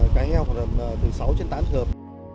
cá heo còn là thứ sáu trên tám trường hợp